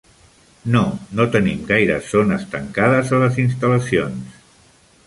No, no tenim gaires zones tancades a les instal·lacions.